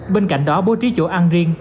bên cạnh đó bố trí chỗ ăn riêng